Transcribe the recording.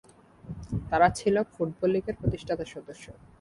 তারা ছিল ফুটবল লীগের প্রতিষ্ঠাতা সদস্য।